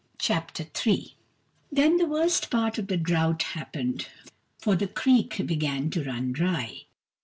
Chapter III Then the worst part of the drought happened, for the creek began to run dry.